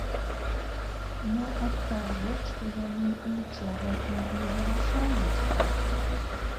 Мо ад таго што яны нічога і не вырашаюць тут.?